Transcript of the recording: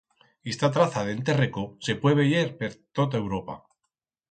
Ista traza d'enterreco se puet veyer per tota Europa.